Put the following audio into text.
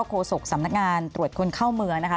แล้วก็โฆษกสำนักงานตรวจคนเข้ามือนะคะ